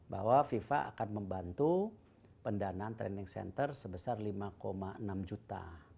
bahwa fifa akan membantu pendanaan training center sebesar lima enam juta